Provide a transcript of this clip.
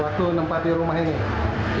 waktu nempati rumah ini